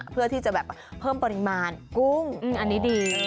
เพื่อที่จะแบบเพิ่มปริมาณกุ้งอันนี้ดี